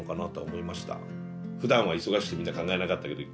ふだんは忙しくてみんな考えなかったけど